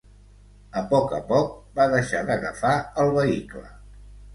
A poc a poc, va deixar d’agafar el vehicle.